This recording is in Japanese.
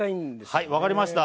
はい分かりました。